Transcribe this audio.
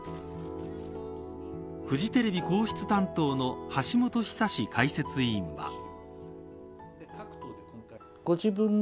フジテレビ皇室担当の橋本寿史解説委員は。